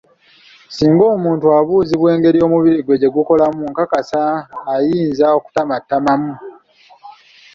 Singa omuntu abuuzibwa engeri omubiri gwe gyegukolamu nkakasa ayinza okutamattamamu.